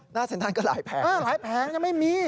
เซ็นทันก็หลายแผงหลายแผงยังไม่มี